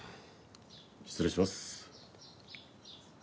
失礼します。